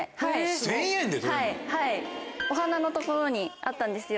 お鼻の所にあったんですよ